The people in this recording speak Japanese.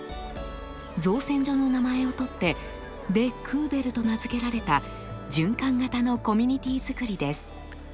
造船所の名前を取って「デ・クーベル」と名付けられた循環型のコミュニティーづくりです。